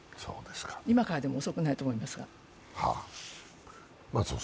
今からでも遅くないと思いますが。